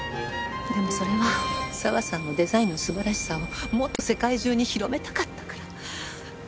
でもそれは佐和さんのデザインの素晴らしさをもっと世界中に広めたかったから。